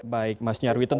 baik mas nyarwi